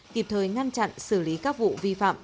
kịp thời ngăn chặn xử lý các vụ vi phạm